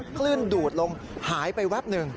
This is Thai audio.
คลื่นดูดลงหายไปแวบหนึ่ง